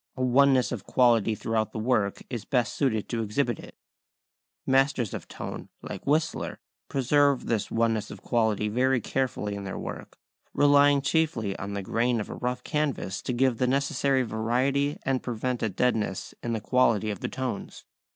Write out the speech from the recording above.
A oneness of quality throughout the work is best suited to exhibit it. Masters of tone, like Whistler, preserve this oneness of quality very carefully in their work, relying chiefly on the grain of a rough canvas to give the necessary variety and prevent a deadness in the quality of the tones.